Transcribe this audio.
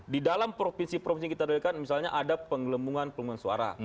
di dalam provinsi provinsi yang kita doakan misalnya ada penggelombongan suara